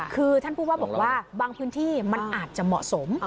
คือท่านผู้ว่าบอกว่าบางพื้นที่มันอาจจะเหมาะสม